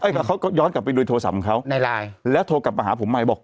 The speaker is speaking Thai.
ก็เขาก็ย้อนกลับไปดูโทรศัพท์ของเขาในไลน์แล้วโทรกลับมาหาผมใหม่บอก